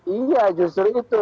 iya justru itu